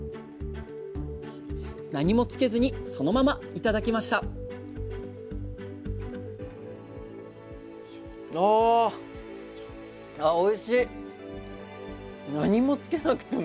何もつけずにそのまま頂きましたいや三村さんね